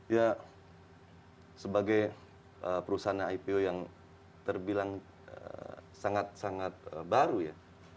ya sebagai perusahaan ipo yang terbilang sangat sangat baru ya